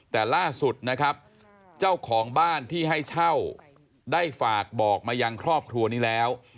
แต่ล่าสุดนะครับเจ้าของบ้านที่ให้เช่าได้ฝากบอกมายังครอบครัวนี้แล้ว